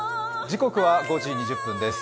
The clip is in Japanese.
時刻は５時２０分です。